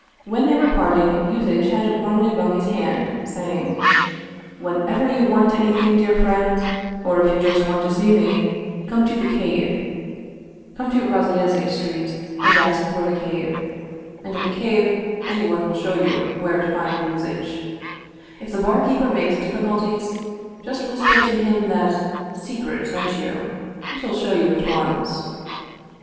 When they were parting, Yuzitch had warmly wrung his hand, saying :" Whenever you want anything, dear friend, or if you just want to see me, come to the Cave ; come to Razyeziy Street and ask for the Cave, and at the Cave anyone will 186 Vscvolod Vladimir ovitch Krestovski show you where to find Yuzitch. If the barkeeper makes difficulties just whisper to him that ' Secret ' sent you, and he'll show you at once."